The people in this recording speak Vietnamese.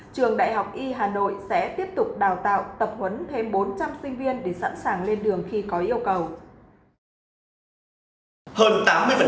trường đại học y hà nội sẽ tiếp tục đào tạo tập huấn thêm bốn trăm linh sinh viên để sẵn sàng lên đường khi có yêu cầu